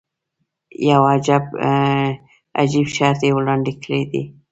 یو عجیب شرط یې وړاندې کړی دی.